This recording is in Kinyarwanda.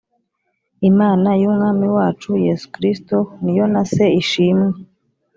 Imana y'Umwami wacu Yesu Kristo, ni yo na Se, ishimwe,